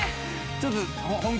ちょっと。